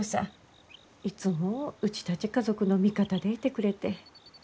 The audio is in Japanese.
いつもうちたち家族の味方でいてくれて。